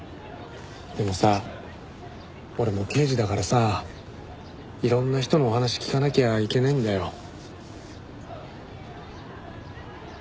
でもさ俺も刑事だからさあいろんな人のお話聞かなきゃいけないんだよ。